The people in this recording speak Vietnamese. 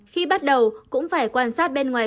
khi bắt đầu cũng phải quan sát bên ngoài